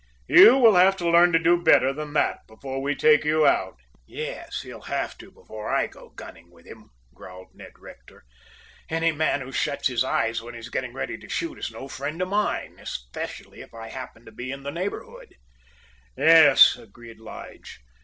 "You will have to learn to do better than that before we take you out." "Yes, he'll have to before I go gunning with him," growled Ned Rector. "Any man who shuts his eyes when he's getting ready to shoot, is no friend of mine, especially if I happen to be in the neighborhood." "Yes," agreed Lige.